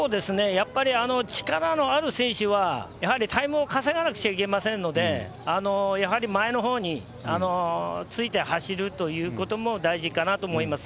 やっぱり力のある選手は、やはりタイムを稼がなくちゃいけませんので、やはり前のほうについて走るということも大事かなと思います。